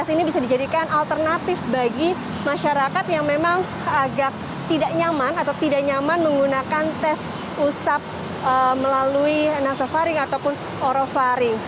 ini bisa dijadikan alternatif bagi masyarakat yang memang agak tidak nyaman atau tidak nyaman menggunakan tes usap melalui nasofaring ataupun orovaring